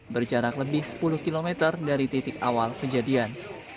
berjarak lebih sepuluh km dari titik awal kejadian